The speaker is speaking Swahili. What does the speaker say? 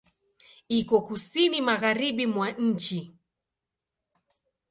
Iko Kusini magharibi mwa nchi.